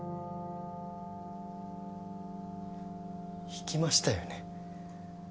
引きましたよね。